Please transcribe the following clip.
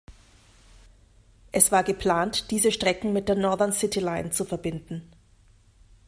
Es war geplant, diese Strecken mit der Northern City Line zu verbinden.